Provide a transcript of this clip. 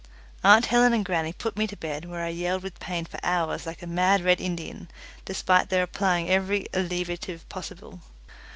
Aunt Helen and grannie put me to bed, where I yelled with pain for hours like a mad Red Indian, despite their applying every alleviative possible.